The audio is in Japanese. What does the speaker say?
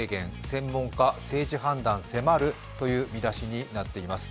専門家、政治判断迫るという見出しになっています。